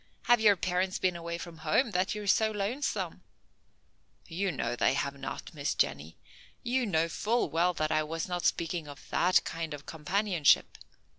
Have your parents been away from home, that you are so lonesome?" "You know they have not, Miss Jenny. You know full well that I was not speaking of that kind of companionship.